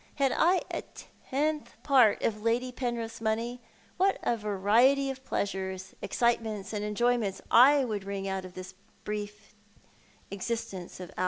Had I a tenth i art of Lady Penrith's money, what a variety of pleasures, excitements, and enjoyments I would wring out of tliis too brief existence of ours!